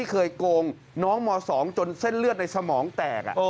เคยโกงน้องม๒จนเส้นเลือดในสมองแตก